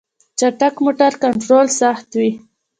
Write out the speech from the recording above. چټک موټر کنټرول سخت وي.